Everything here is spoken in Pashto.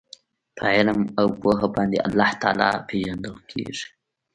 په علم او پوهه باندي الله تعالی پېژندل کیږي